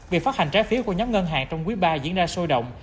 việc phát hành trái phiếu của nhóm ngân hàng trong quý ba diễn ra sôi động